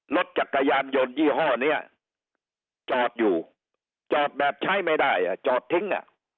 รถจักรยานยนต์ยี่ห้อนี้จอดอยู่จอดแบบใช้ไม่ได้จอดทิ้ง